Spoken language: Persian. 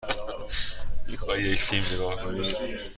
می خواهی یک فیلم نگاه کنی؟